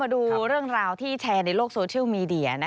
ดูเรื่องราวที่แชร์ในโลกโซเชียลมีเดีย